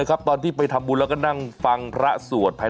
ปุ๊บเรียบร้อย